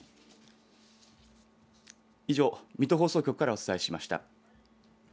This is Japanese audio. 以上、水戸放送局からお伝えしました。